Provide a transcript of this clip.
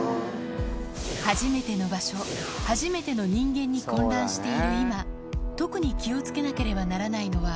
初めての場所、初めての人間に混乱している今、特に気をつけなければならないのは。